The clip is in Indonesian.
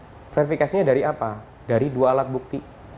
yang pertama kemudian verifikasinya dari apa dari dua alat bukti